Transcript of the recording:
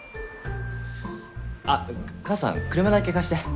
あっ母さん車だけ貸して。